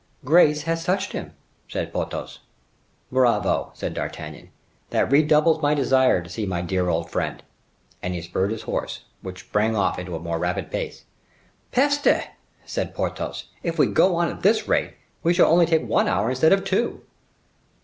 "Grace has touched him," said Porthos. "Bravo," said D'Artagnan, "that redoubles my desire to see my dear old friend." And he spurred his horse, which sprang off into a more rapid pace. "Peste!" said Porthos, "if we go on at this rate, we shall only take one hour instead of two."